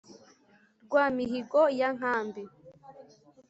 rwa mihigo ya nkambi,